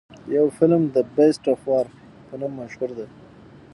يو فلم The Beast of War په نوم مشهور دے.